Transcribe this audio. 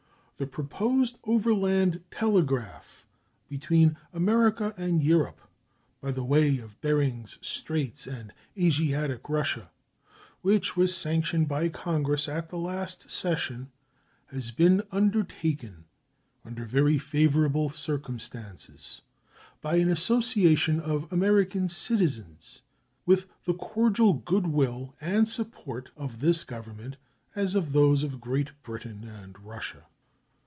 The proposed overland telegraph between America and Europe, by the way of Behrings Straits and Asiatic Russia, which was sanctioned by Congress at the last session, has been undertaken, under very favorable circumstances, by an association of American citizens, with the cordial good will and support as well of this Government as of those of Great Britain and Russia.